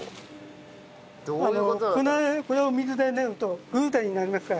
あのこれを水で練るとグルテンになりますから。